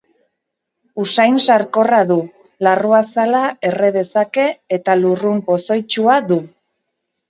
Usain sarkorra du, larruazala erre dezake eta lurrun pozoitsua du.